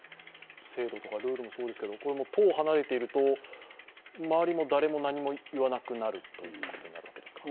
制度とかルールもそうですけれども、党を離れていると周りも誰も何も言わなくなるということになるわけですね。